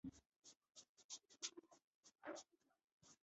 他们为什么去你国家？